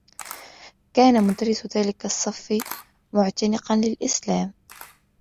كان مدرّس ذلك الصّفّ معتنقا للإسلام.